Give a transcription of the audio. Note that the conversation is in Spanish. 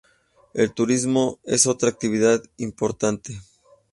El turismo es otra actividad importante.